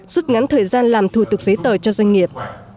suốt ngắn thời gian làm thủ tục giấy tờ cho doanh nghiệp